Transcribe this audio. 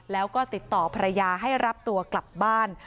แล้วก็ติดต่อภรรยาให้รับตัวกลับบ้าน